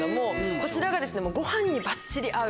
こちらがご飯にバッチリ合う。